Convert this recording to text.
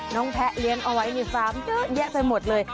แพะเลี้ยงเอาไว้ในฟาร์มเยอะแยะไปหมดเลย